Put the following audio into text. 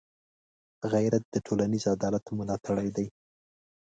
غیرت د ټولنيز عدالت ملاتړی دی